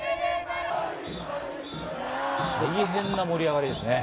大変な盛り上がりです。